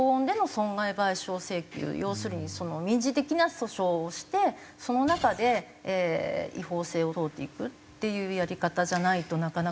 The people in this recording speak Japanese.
要するに民事的な訴訟をしてその中で違法性を問うていくっていうやり方じゃないとなかなか。